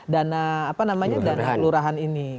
dana apa namanya dana kelurahan ini